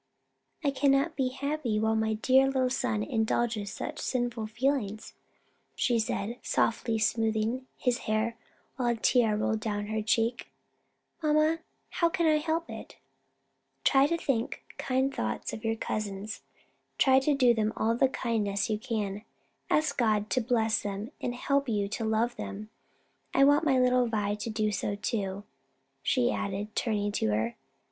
"I cannot be happy while my dear little son indulges such sinful feelings," she said, softly smoothing his hair, while a tear rolled down her cheek. "Mamma, how can I help it?" "Try to think kind thoughts of your cousins, do them all the kindness you can, and ask God to bless them, and to help you to love them. I want my little Vi to do so too," she added, turning to her.